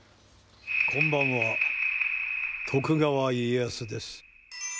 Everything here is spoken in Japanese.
こんばんは、徳川家康です。